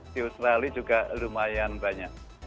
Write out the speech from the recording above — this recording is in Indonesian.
di australia juga lumayan banyak